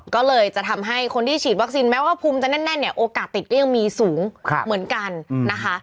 ก็เลยจะทำให้คนที่ฉีดวัคซีนแม้ว่าภูมิจะแน่นเนี่ยโอกาสติดก็ยังมีสูงเหมือนกันนะคะ